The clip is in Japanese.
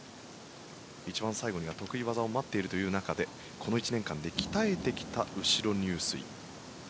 一番最後には得意技が待っているという中でこの１年間で鍛えてきた後ろ入水。